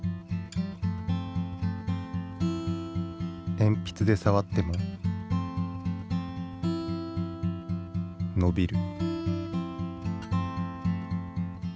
鉛筆で触っても伸びる。